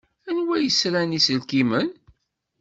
Anwa i yesran iselkimen?